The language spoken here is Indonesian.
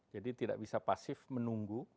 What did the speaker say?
jadi tidak bisa pasif menunggu